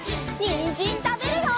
にんじんたべるよ！